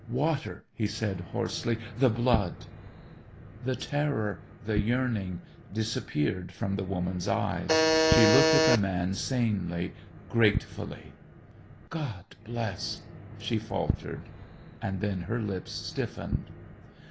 "Water," he said hoarsely. "The blood " The terror, the yearning, disappeared from the woman's eyes. She looked at the man sanely, gratefully. "God bless " she faltered and then her lips stiffened.